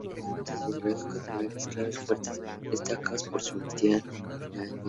De fundamentos ideológicos y morales claros y fuertes destacaba por su honestidad y dinamismo.